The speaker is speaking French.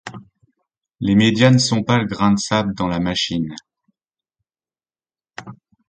Les médias ne sont pas le grain de sable dans la machine.